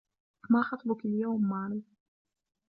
ما خطبكِ اليوم ماري؟